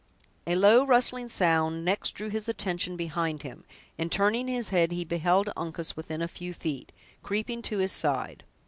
A low, rustling sound next drew his attention behind him, and turning his head, he beheld Uncas within a few feet, creeping to his side.